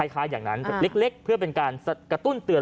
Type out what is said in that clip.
อย่างนั้นเล็กเพื่อเป็นการกระตุ้นเตือน